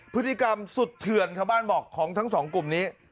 พฤติกรรมสุดเถื่อนชาวบ้านบอกของทั้งสองกลุ่มนี้